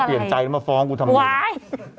เปลี่ยนใจแล้วมาฟ้องกูทำไม